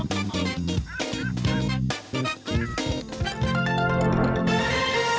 โปรดติดตามตอนต่อไป